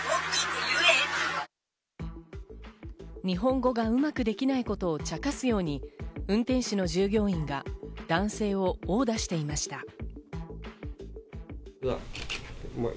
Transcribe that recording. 日本語がうまくできないことを茶化すように、運転手の従業員が男性を殴打していました。